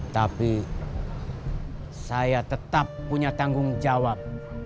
tapi saya tetap punya tanggung jawab